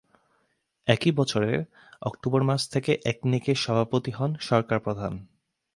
একই বছরের অক্টোবর মাস থেকে একনেক-এর সভাপতি হন সরকার প্রধান।